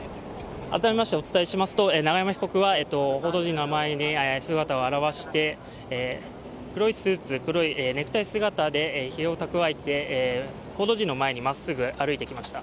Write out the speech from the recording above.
永山被告は報道陣の前に姿を現して、黒いスーツ、黒いネクタイ姿でひげを蓄えて報道陣の前にまっすぐ歩いてきました。